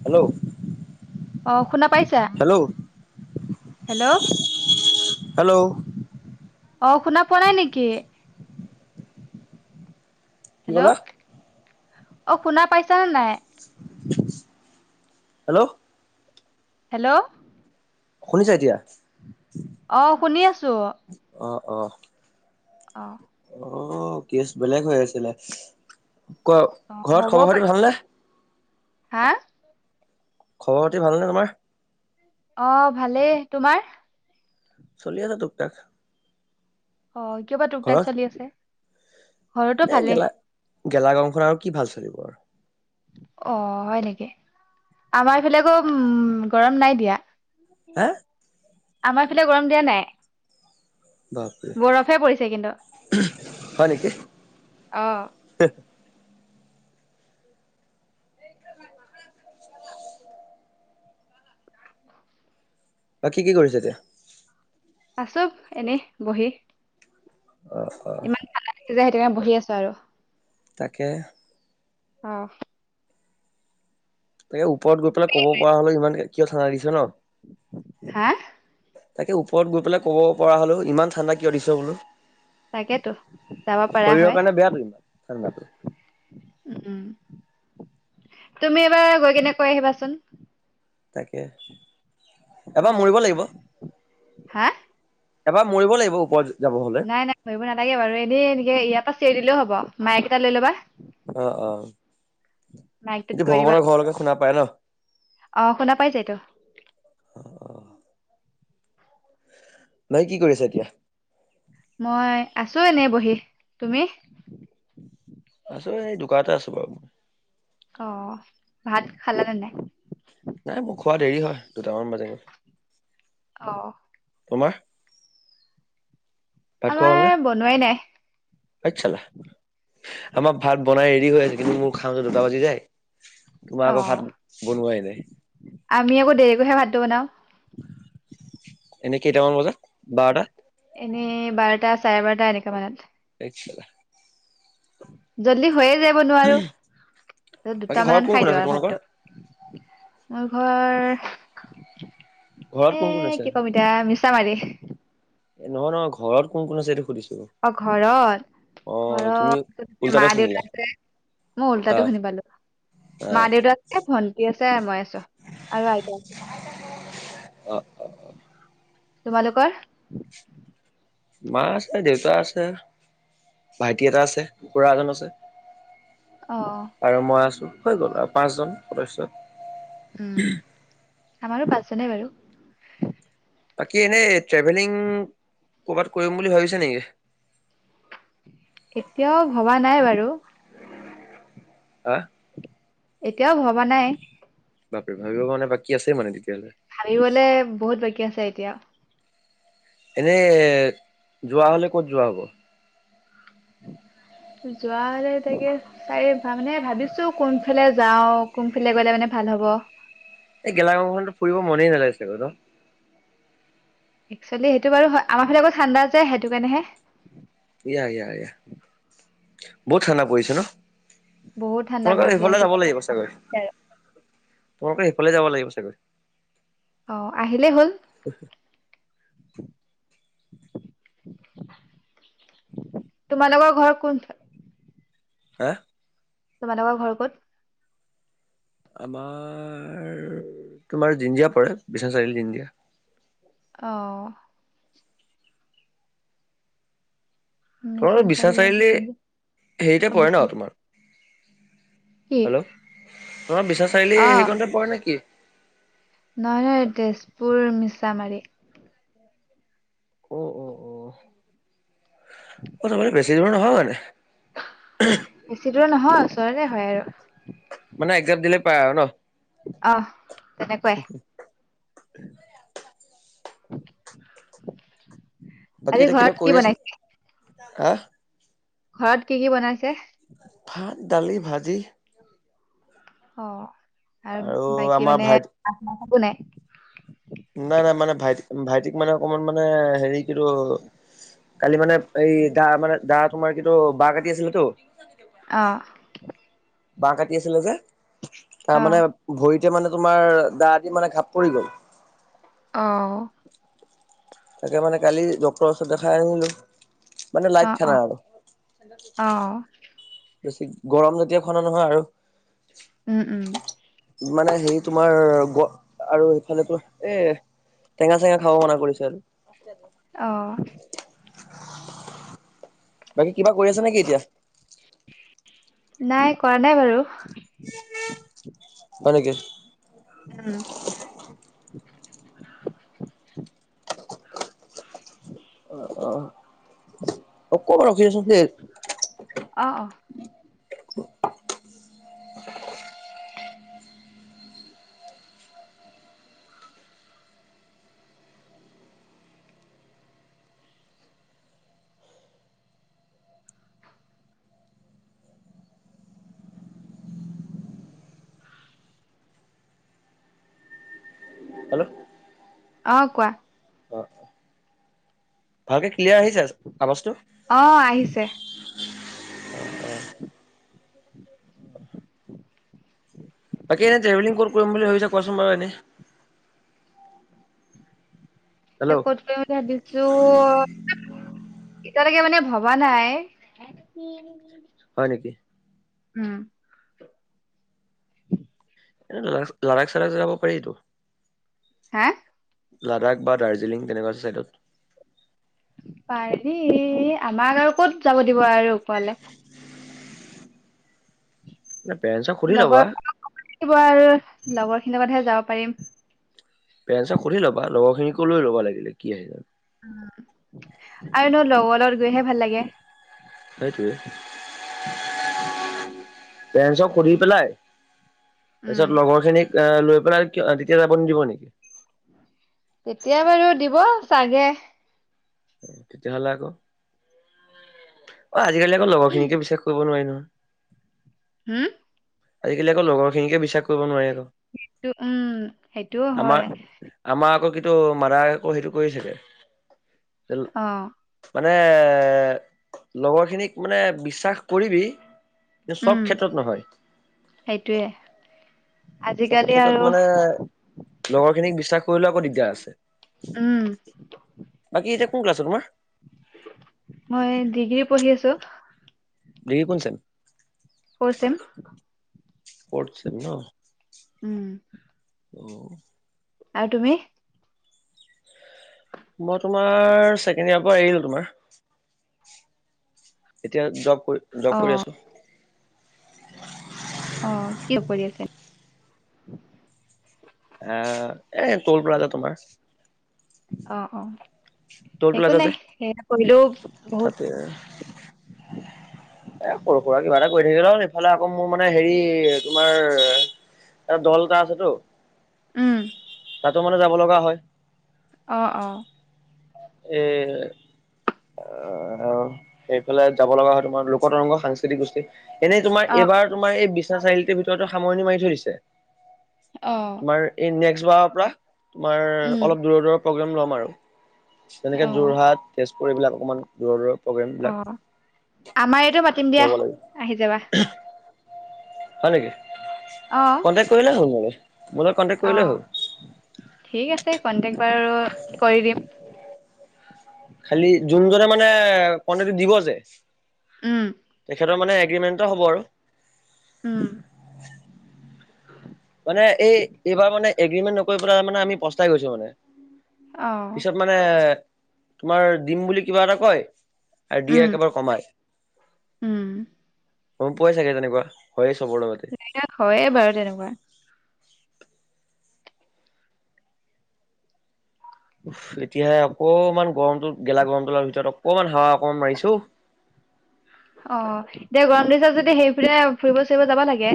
Hello অ, শুনা পাইছা? হেল্ল' হেল্ল' হেল্ল' অ, শুনা পোৱা নাই নেকি? কি হেল্ল', ক'লা? অ' শুনা পাইছানে নাই? হেল্ল' হেল্ল' শুনিছা এতিয়া? অ' শুনি আছোঁ অ, অ অ অ', কেছ বেলেগ হৈ আছিলে। ক, অ ঘৰত খবৰ খাতি ভালনে? হাঁ খবৰ খাতি ভালনে তোমাৰ? অ', ভালেই। তোমাৰ? চলি আছে টোকটাক অ, কিয় বা টোক তাক ঘৰত চলি আছে! ঘৰতো এ ভালেই গেলা, গেলা গৰমখনত আৰু কি ভাল চলিব আৰু! অ, হয় নেকি? আমাৰ এইফালে আকৌ উম গৰম নাই দিয়া। হাঁ আমাৰ এইফালে গৰম দিয়া নাই। বাপৰে বৰফে পৰিছে কিন্তু। হয় নেকি অ' [inaudible] [inaudible] বা কি কি কৰিছে এতিয়া? আছোঁ এনেই বহি। অ'। ইমান ভালছে যে সেইটোকাৰণে বহি আছোঁ আৰু। তাকে। অ'। তাকে ওপৰত গৈ পেলাই ক'ব পৰা হ'লে ইমান কিয় চানাই দিছে ন'। হা? তাকে ওপৰত গৈ পেলাই ক'ব পৰা হ'লো ইমান ঠাণ্ডা কিয় দিছ' বোলো। তাকেটো যাব পাৰা শৰীৰৰ হয়। কাৰণে বেয়াটো ইমান ঠাণ্ডাটো উম, তুমি এবাৰ গৈ কেনে কৈ আহিবাচোন। তাকে অ এবাৰ মৰিব লাগিব। হা এবাৰ মৰিব লাগিব, ওপৰত যাব হ'লে। নাই, নাই, মৰিব নালাগে বাৰু এনেই এনেকে ইয়াৰ পৰা চিয়ৰি দিলেও হ'ব মায়ই এটা লৈ ল'বা। অ', অ', মাইকটোত ইটো কৈ দিবা ভগৱানৰ ঘৰলৈকে শুনা পাই ন'। অ', শুনা পাই যায়টো। অ নাই কি কৰিছা এতিয়া? মই আছোঁ এনেই বহি, তুমি? আছোঁ এই দোকানতে আছোঁ বাৰু মই। অ', ভাত খালা নে নাই? নাই মোৰ খোৱা দেৰি হয় দুটামান বাজে গৈ। অ'। তোমাৰ ভাত খোৱা আমাৰ হ'লনে? বনোৱাই নাই পছালা আমাৰ ভাত বনাই ৰেডি হৈ আছে কিন্তু মোৰ খাওঁতে দুটা বাজি যায়। তোমাৰ অ আকৌ ভাত বনোৱাই নাই। আমি আকৌ দেৰিকৈহে ভাতটো বনাওঁ। এনে কেইটামান বজাত? বাৰটা। এনেই বাৰটা চাৰে বাৰটা এনেকুৱা মানত। [unintelligible] জল্দি হৈয়ে যায়াব, নোৱাৰো বাকী ঘৰত দুটামানত কোন কোন খাই দিওঁ আছে আৰু তোমালোকৰ ভাতটো। মোৰ ঘৰ ঘৰত এ কোন কোন আছে কি কম এতিয়া মিছা মাৰি। এ নহয় নহয় ঘৰত কোন কোন আছে এইটো সুধিছো। অ', ঘৰত। অ তুমি ঘৰত উল্টাতে শুনিলা মা-দেউতা আছে, মই অ উল্টাটো শুনি পালোঁ। অ মা দেউতা আছে, ভন্টি আছে, মই আছোঁ আৰু আইতা আছে। অ', অ', অ'। তোমালোকৰ? মা আছে দেউতা আছে। ভাইটি এটা আছে, খুৰা এজন আছে। অ'। আৰু মই আছোঁ, হৈ গ'ল আৰু পাঁচজন সদস্য। উম, আমাৰো পাঁচজনেই বাৰু। বাকী এনেই ট্ৰেভেলিং কৰবাত কৰিম বুলি ভাবিছে নেকি? এতিয়াও ভবা নাই বাৰু। [inaudible] এতিয়াও ভবা নাই বাপৰে ভাবিব কাৰণে বাকী আছেই মানে তেতিয়া হলে ভাবিবলে বহুত বাকী আছে এতিয়া এনেই যোৱা হ'লে ক'ত যোৱা হ'ব যোৱা হলে তাকে চাৰে মানে ভাবিছো কোনফালে যাও কোনফালে গলে মানে ভাল হব এই গেলা গৰমখনতো ফুৰিব মনেই নাযায় চাগৈ নহ একচোৱেলি সেইটো বাৰু আমাৰ ফালে আক ঠাণ্ডা যায় সেইটো কাৰণেহে ইয়া ইয়া এয়া বহুত ঠাণ্ডা পৰিছে ন বহুত ঠাণ্ডা তোমালোকৰ পৰিছে সিফালে সেইটো যাব কাৰণে লাগিব চাগৈ তোমালোকৰ সেইফালে যাব লাগিব চাগৈ অ' আহিলেই হল তোমালোকৰ ঘৰ কোন [inaudible] তোমালোকৰ ঘৰ ক'ত আমাৰ তোমাৰ জীনজিয়া পৰে বিশনাথ চাৰিআলি জীনজিয়া অ' তোমাৰ বিশ্বনাথ চাৰিআলি হেৰিতে পৰে ন বিশ্বনাথ। তোমাৰ কি হেল্ল' তোমাৰ বিশ্বনাথ চাৰিআলি অ', হেৰিকণতে পৰে নেকি নহয় নহয় তেজপুৰ মিছামাৰী অ' অ' অ' তাৰমানে বেছি দূৰ নহয় মানে বেছি দূৰ নহয় ওচৰতে হয় আৰু মানে একজাপ দিলে পায় আৰু নহ আহ তেনেকুৱাই [inaudible] বাকী আজি এতিয়া কিবা ঘৰত কৰি কি আছা, বনাইছে- হা ঘৰত কি কি বনাইছে ভাত দালি ভাজি অ' আৰু বাকী আমাৰ মানে ভাইটি একো নাই নাই নাই ভাইটি অকমান মানে হেৰি কিন্তু কালি মানে এই দা মানে দা তোমাৰ কিতো বাহ কাটি আছিল তো অ' বাহ কাটি আছিলে যে তাৰ অ'। মানে ভৰিতে মানে তোমাৰ দা দি মানে ঘাপ পৰি গল অ' তাকে মানে কালি ডক্টৰ ওচৰত দেখাই আহিলোঁ মানে লাইট অ', খানা অ', আৰু অ', বেছি গৰম জাতীয় খানা নহয় আৰু উম উম মানে হেৰি তোমাৰ গ আৰু সেইফালে তো এ টেঙা চেঙা খাব মনা কৰিছে আৰু অ' বাকী কিবা কৰি আছা নেকি এতিয়া নাই কৰা নাই বাৰু হয় নেকি উম [inaudible] অ অকমান ৰখিছাচোন দে অ অ হেল্ল' অ কোৱা অ ভালকে ক্লিয়াৰ আহিছেচ আৱাজটো অ আহিছে [inaudible] বাকী এনে ট্ৰেভেলিং কত কৰিম বুলি ভাবিছা কোৱাচোন বাৰু এনে এ হেল্ল' ক'ত কইম ভাবিছো এতিয়ালেকে মানে ভবা নাই উম হয় নেকি উম [inaudible] লড়াক [unintelligible] চাৰ়াক যাব পাৰি তো হা লাডাখ বা দাৰ্জিলিং তেনেকুৱা ছাইডত পাৰি আমাক আৰু ক'ত যাব দিব আৰু ওপলে মানে পেৰেণ্টছক সুধি ল'বা লগৰ বিকিব [unintelligible] আৰু লগৰ খিনিৰ লগতহে যাব পাৰিম পেৰেন্সক সুধি লবা লগৰখিনিকো লৈ ল'বা লাগিলে কি আহি যায় আৰু ন লগৰ লগত গৈহে ভাল লাগে সেইটোৱে পেৰেন্সক সুধি পেলাই তাৰ উম পিছত লগৰ খিনিক আহ লৈ পেলাই কি তেতিয়া যাব নিদিব নেকি তেতিয়া বাৰু দিব চাগে অ তেতিয়া হলে আকৌ অ আজিকালি আকৌ লগৰখিনিকে বিশ্বাস কৰিব নোৱাৰি নহয় হুম আজিকালি আকৌ লগৰ খিনিকে বিশ্বাস কৰিব নোৱাৰে আক সেইটো উম সেইটোও হয় আমাৰ আকৌ কিটো মাদাই আকৌ সেইটো কৰিছিলে অ মানে লগৰখিনিক মানে বিশ্বাস কৰিবি যে চব ক্ষেত্ৰত নহয় সেইটোয়ে চব আজিকালি ক্ষেত্ৰত আৰু মানে লগৰ খিনিক বিশ্বাস কৰিলেও আকৌ দিগদাৰ আছে উম বাকী এতিয়া কোন ক্লাছত তোমাৰ মই ডিগ্ৰী পঢ়ি আছো ডিগ্ৰী কোন sem four sem. Fourth sem ন উম অ আউ তুমি মই তোমাৰ ছেকেণ্ড ইয়াৰ পৰা এৰিলো তোমাৰ এতিয়া জব কৰি অ জব কৰি আছোঁ অ', কি কৰি আছে? এ, এই ট'ল প্লাজা তোমাৰ। অ' অ', টল একো প্লাজা নাই, যে সেয়া কৰিলেও বহুত তাতে [inaudible] এ সৰু সুৰা কিবা এটা কৰি থাকিলেই হ'ল, এইফালে আকৌ মোৰ মানে হেৰি, তোমাৰ এটা দল এটা আছেতো উম তাতো মানে যাব লগা হয়। অ' অ'। এই, অ' অ', সেইফালে যাব লগা হয় তোমাৰ লোকতৰংগ সাংস্কৃতিক গোষ্ঠী। এনেই তোমাৰ অ এইবাৰ তোমাৰ এই বিশ্বনাথ চাৰিআলিটোৰ ভিতৰতে সামৰণি মাৰি থৈ দিছে। অ'। তোমাৰ এই নেক্সট বাৰৰ পৰা, তোমাৰ উম অলপ দূৰৰ দূৰৰ প্ৰগ্ৰেম ল'ম আৰু। যেনেকে অ যোৰহাট, তেজপুৰ এইবিলাক অকণমান দূৰৰ-দূৰৰ। অ', আমাৰ ইয়াতো মাতিম দিয়া, ল'ব লাগিব আহি যাবা। হয় নেকি, অ কণ্টেক্ট কৰিলেই হ'ল মোৰ লগত, মোৰ লগত কন্টেক্ট অ কৰিলেই হ'ল। ঠিক আছে, কন্টেক্ট বাৰু কৰি দিম। খালি যোনজনে মানে কন্টেক্টটো দিব যে উম তেখেতৰ মানে এগ্ৰীমেণ্ট এটা হ'ব আৰু। উম। মানে এই-এইবাৰ মানে এগ্ৰিমেণ্ট নকৰি পেলাই মানে আমি পস্তাই গৈছোঁ মানে। অ'। পিছত মানে, তোমাৰ দিম বুলি কিবা এটা কয় আৰু দিয়ে উম একেবাৰে কমাই। উম গম পোৱাই চাগে তেনেকুৱা, হয়েই চবৰ লগত। এইবিলাক হয়ে বাৰু তেনেকুৱা। উস্, এতিয়াহে অকমান গৰমটোত-গেলা গৰমটো-ডালৰ ভিতৰত অকমান হাৱা অকমান মাৰিছে ঔ। অ', এতিয়া গৰম দিছে যদি সেইফালে ফুৰিব-চুৰিব যাব লাগে।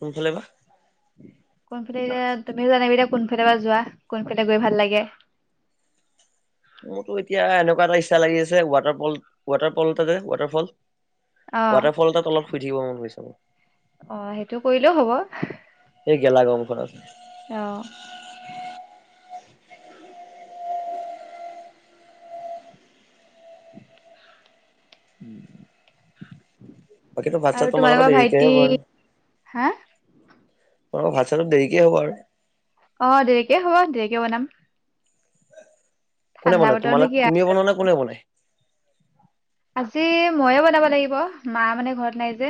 কোনফালে বা? কোনফালে, তুমিহে জানিবা এতিয়া কোনফালে বা যোৱা, কোনফালে গৈ ভাল লাগে। মোৰতো এতিয়া এনেকুৱা এটা ইচ্ছা লাগি আছে, ৱাটাৰফল-ৱাটাৰফল এটা যে, ৱাটাৰফল অ ৱাটাৰফল এটাৰ তলত শুই থাকিব মন গৈছে মোৰ। অ', সেইটো কৰিলেও হ'ব, অ'। এই গেলা গৰমখনত [inaudible] [inaudible] বাকীতো ভাত চাত আৰু তোমালোকৰ দেৰিকেহে ভাইটি, হ'ব আৰু হা? অ', ভাত চাততো দেৰিকে হ'ব আৰু? অ', দেৰিকে হ'ব, দেৰিকে বনাম। কোনে ঠাণ্ডা বনায়, বতৰনো কি আৰু তোমালোক-তুমিয়ে বনোৱা নে কোনে বনায়? আজি মইয়ে বনাব লাগিব, মা মানে ঘৰত নাই যে।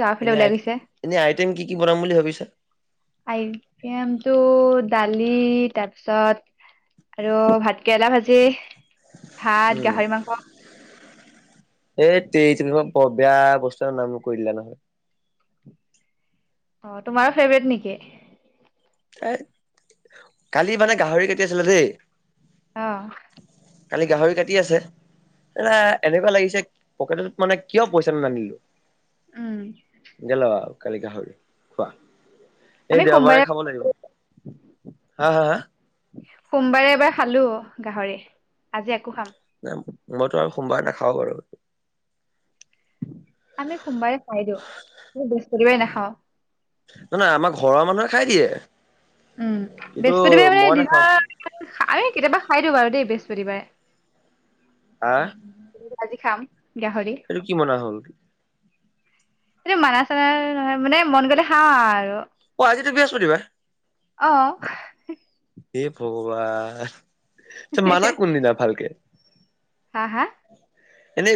গাঁৱৰ ফালে এনেই ওলাই গৈছে আইট-এনেই আইটেম কি কি বনাম বুলি ভাবিছা? আইটেমতটো দালি, তাৰপিছত আৰু ভাত কেৰেলা ভাজি ভাত উম। গাহৰি মাংস এইত তেৰি, তেনেকুৱা বৰ বেয়া বস্তু এটাৰ নাম কৈ দিলা নহয়। অ' তোমাৰো ফেভৰেট নেকি? কালি মানে গাহৰি কাটি আছিলে দেই। অ'। কালি গাহৰি কাটি আছে [unintelligible] এনেকুৱা লাগিছে পকেটত মানে কিয় পইচাটো নানিলোঁ। উম। গেল' কালি গাহৰি খোৱা। আমি এই সোমবাৰে দেওবাৰে খাব লাগিব। হা, হা, হা? সোমবাৰে এবাৰ খালোঁ গাহৰি। আজি আকৌ খাম। নাই মইতো আৰু সোমবাৰ নাখাওঁ বাৰু। আমি সোমবাৰে খাই দিওঁ, বৃহস্পতিবাৰে নাখাওঁ। নয় নয়, আমাৰ ঘৰৰ মানুহে খাই দিয়ে। উম, কিন্তু বৃহস্পতিবাৰে মানে মই নাখাও দিনৰ, আমি কেতিয়াবা খাই দিওঁ বাৰু দেই বৃহস্পতিবাৰে। হা? আজি খাম গাহৰি। এইটো কি মনা হ'ল? এই মানা চানা নহয়, মানে মন গ'লে খাওঁ আ-আৰু। অ' আজিতো বৃহস্পতিবাৰ। হে, ভগৱান। ত' মানা কোনদিনা ভালকে? হা, হা? এনে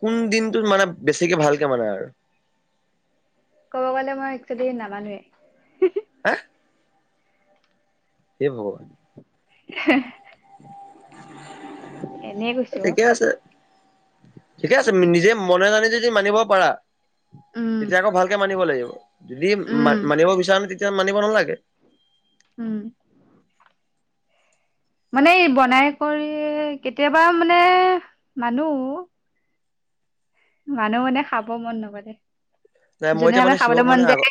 কোন দিনটো মানে বেছিকে ভালকে মানা আৰু? ক'ব গ'লে মই একচোৱেলি নামানোৱে। হা? হে, ভগ [inaudible] এনেই কৈছো ঠিকে আছে। ঠিকে আছে, নিজে মনে নলয় যদি মানিব পাৰা। অ উম তেতিয়া আকৌ ভালকে মানিব লাগিব, যদি উম মা-মানিব বিচাৰে তেতিয়া মানিব নালাগে। উম। মানে এই বনাই কৰি, কেতিয়াবা মানে মানো। মানো মানে খাব মন নগ'লে। নাই মই এতিয়া যোনদিনা মানে খাবলৈ শিৱক মন মানে আগ যায়